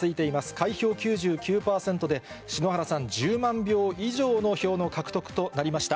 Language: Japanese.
開票９９％で、篠原さん、１０万票以上の票の獲得となりました。